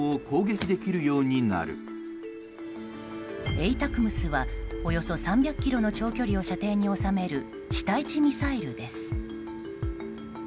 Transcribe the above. ＡＴＡＣＭＳはおよそ３００ｋｍの長距離を射程に収める地対地ミサイルです。